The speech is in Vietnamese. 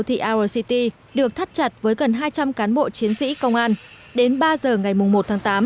thị our city được thắt chặt với gần hai trăm linh cán bộ chiến sĩ công an đến ba giờ ngày một tháng tám